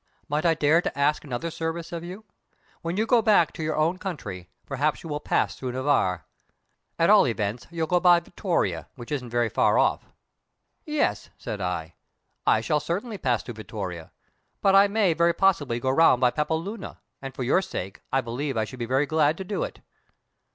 "Might I dare to ask another service of you? When you go back to your own country perhaps you will pass through Navarre. At all events you'll go by Vittoria, which isn't very far off." "Yes," said I, "I shall certainly pass through Vittoria. But I may very possibly go round by Pampeluna, and for your sake, I believe I should be very glad to do it."